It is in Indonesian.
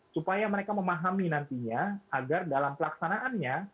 supaya mereka memahami nantinya agar dalam pelaksanaannya